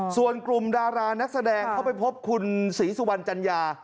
ส่วนกลุ่มดารานักแสดงเข้าไปพบคุณศรีสุวรรณจัญญา